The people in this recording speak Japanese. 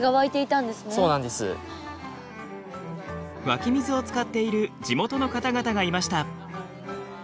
湧き水を使っている地元の方々がいました。